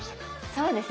そうですね。